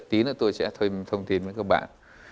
tí nữa tôi sẽ thêm thông tin với các bạn